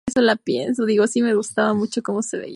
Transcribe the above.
Allí sí pudieron organizar el Centro de Estudiantes.